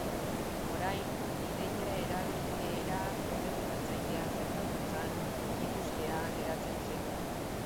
Orain ideien erabilera erregulatzailea zertan datzan ikustea geratzen zaigu.